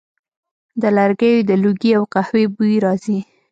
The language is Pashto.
د لرګیو د لوګي او قهوې بوی راځي